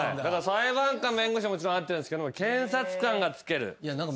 裁判官弁護士はもちろん合ってるんですけども検察官がつける。